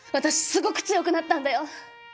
すごく強くなったんだよ。